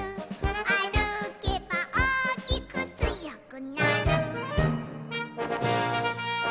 「あるけばおおきくつよくなる」